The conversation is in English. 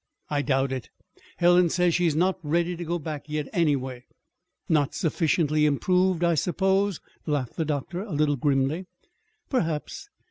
"I doubt it. Helen says she's not ready to go back yet, anyway." "Not sufficiently 'improved,' I suppose," laughed the doctor, a little grimly. "Perhaps.